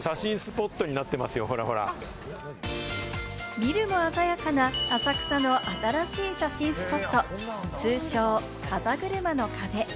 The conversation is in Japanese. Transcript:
見るも鮮やかな浅草の新しい写真スポット、通称・かざぐるまの壁。